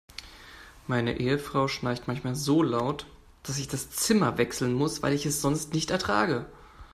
Meine Ehefrau schnarcht manchmal so laut, dass ich das Zimmer wechseln muss, weil ich es sonst nicht ertrage.